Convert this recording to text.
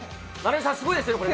すごいですよ、これ。